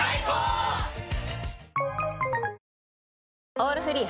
「オールフリー」